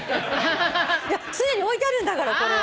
常に置いてあるんだからこれは。